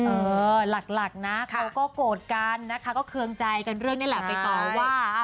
เออหลักนะก็โกรธกันนะคะก็เครื่องใจกับเรื่องนี่เฉพาะว่าใช่